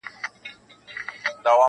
دا دښمن وي د عزت بلا د ځان وي-